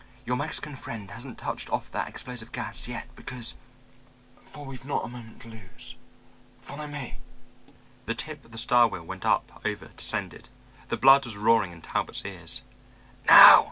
Your Mexican friend hasn't touched off that explosive gas yet, because But we've not a moment to lose. Follow me." The tip of the star wheel went up, over, descended. The blood was roaring in Talbot's ears. "Now!"